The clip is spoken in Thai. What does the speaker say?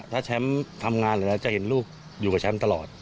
ถ้าแชมป์ทำงานเหลือจะเห็นลูกอยู่กับแชมป์ตลอด